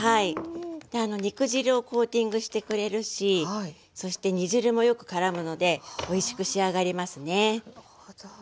肉汁をコーティングしてくれるしそして煮汁もよくからむのでおいしく仕上がりますね。